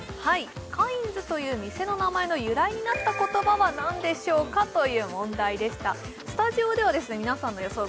「カインズ」という店の名前の由来になった言葉は何でしょうかという問題でしたスタジオでは皆さんの予想